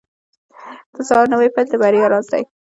• د سهار نوی پیل د بریا راز دی.